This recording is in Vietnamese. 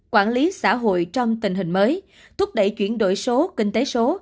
quản lý xã hội trong tình hình mới thúc đẩy chuyển đổi số kinh tế số